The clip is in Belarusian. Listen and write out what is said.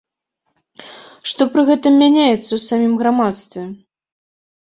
Што пры гэтым мяняецца ў самім грамадстве?